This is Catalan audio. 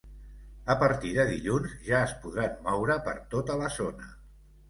A partir de dilluns, ja es podran moure per tota la zona.